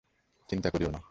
চিন্তা করিও না।